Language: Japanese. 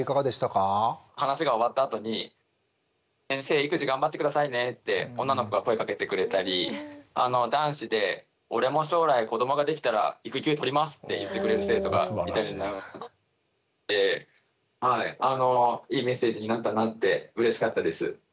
話が終わったあとに「先生育児頑張って下さいね」って女の子が声かけてくれたり男子で「俺も将来子どもができたら育休取ります」って言ってくれる生徒がいたりでいいメッセージになったなってうれしかったです。